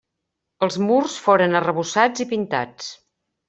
Els murs foren arrebossats i pintats.